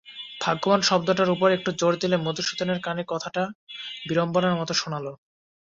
ভাগ্যবান শব্দটার উপর একটু জোর দিলে– মধুসূদনের কানে কথাটা বিড়ম্বনার মতো শোনাল।